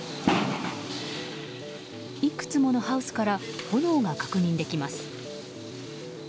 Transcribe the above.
いくつものハウスから炎が確認できます。